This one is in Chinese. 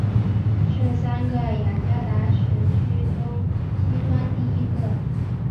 是三个雅加达时区中西端第一个。